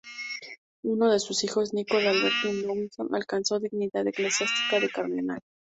Uno de sus hijos, Niccolò Albergati-Ludovisi, alcanzó la dignidad eclesiástica de Cardenal.